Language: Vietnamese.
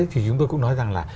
thì chúng tôi cũng nói rằng là